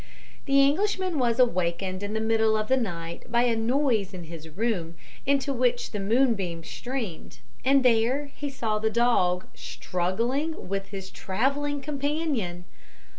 The Englishman was awakened in the middle of the night by a noise in his room, into which the moonbeams streamed, and there he saw the dog struggling with his travelling companion.